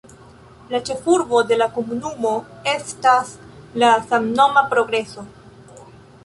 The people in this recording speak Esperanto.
La ĉefurbo de la komunumo estas la samnoma Progreso.